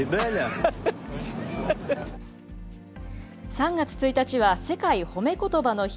３月１日は世界褒めことばの日。